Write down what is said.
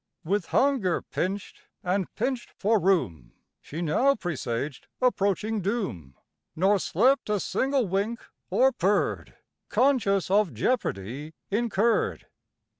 With hunger pinch'd, and pinch'd for room, She now presaged approaching doom, Nor slept a single wink, or purr'd, Conscious of jeopardy incurr'd.